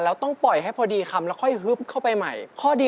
แล้วต้องปล่อยให้พอดีคำแล้วค่อยฮึบเข้าไปใหม่ข้อดี